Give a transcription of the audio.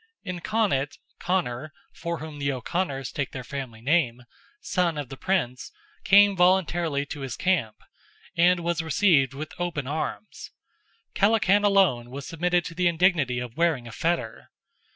In Connaught, Conor, (from whom the O'Conors take their family name), son of the Prince, came voluntarily to his camp, and was received with open arms. Kellachan alone was submitted to the indignity of wearing a fetter.